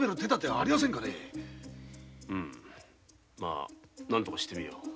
まぁ何とかしてみよう。